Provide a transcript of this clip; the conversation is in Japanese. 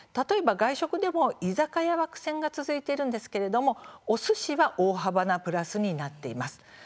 外食でも居酒屋は苦戦が続いていますがおすしは大幅なプラスになっています。